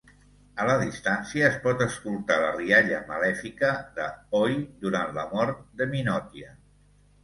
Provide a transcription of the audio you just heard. A la distància, es pot escoltar la rialla malèfica de Hoi durant la mort de Minotia.